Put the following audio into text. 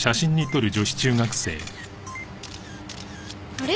あれ？